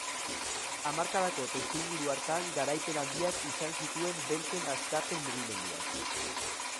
Hamarkadako testuinguru hartan garaipen handiak izan zituen beltzen askapen mugimenduak.